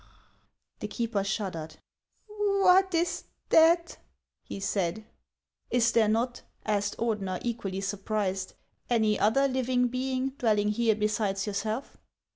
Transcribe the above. The keeper shuddered. " What is that ?" he said. " Is there not," asked Ordener, equally surprised, '•' any other living being dwelling here besides yourself